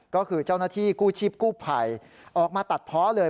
ก็คือเจ้าหน้าที่กู้ชีพกู้ภัยออกมาตัดเพาะเลย